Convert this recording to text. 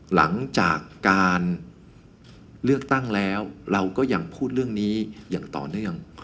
หลังจากการเลือกตั้งแล้วเราก็ยังพูดเรื่องนี้อย่างต่อเนื่อง